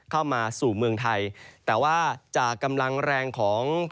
เข้ามาสู่เมืองไทยแต่ว่าจากกำลังแรงของ